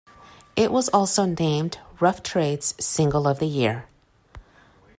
It was also named "Rough Trade's" "Single of the Year.